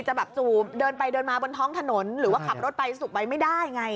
จะแบบสูบเดินไปเดินมาบนท้องถนนหรือว่าขับรถไปสูบไปไม่ได้ไง